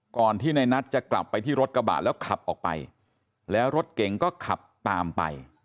ก่อนที่ในนัทจะกลับไปที่รถกระบะแล้วขับออกไปแล้วรถเก๋งก็ขับตามไป